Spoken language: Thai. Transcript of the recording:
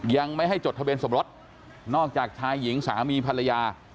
ยังไม่ให้จดทะเบียนสมรสนอกจากชายหญิงสามีภรรยา